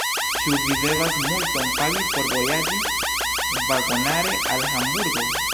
Ĉu mi devas multon pagi por vojaĝi vagonare al Hamburgo?